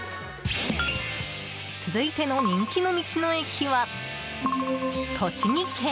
続いての人気の道の駅は、栃木県。